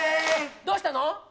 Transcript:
どうしたの？